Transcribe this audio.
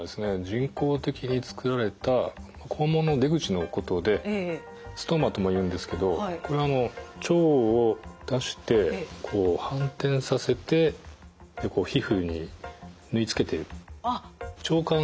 人工的に作られた肛門の出口のことでストーマともいうんですけどこれあの腸を出して反転させて皮膚に縫い付けてる腸管そのものなんですね。